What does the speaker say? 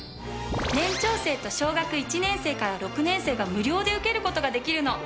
年長生と小学１年生から６年生が無料で受ける事ができるの。